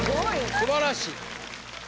すばらしい。